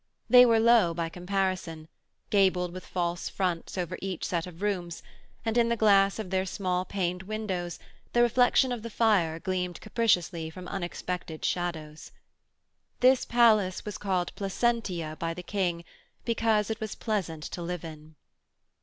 They were low by comparison, gabled with false fronts over each set of rooms and, in the glass of their small paned windows, the reflection of the fire gleamed capriciously from unexpected shadows. This palace was called Placentia by the King because it was pleasant to live in.